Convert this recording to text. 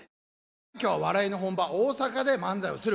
今日は笑いの本場大阪で漫才をする。